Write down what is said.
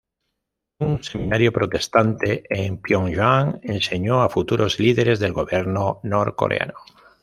Un seminario protestante en Pionyang enseñó a futuros líderes del gobierno norcoreano.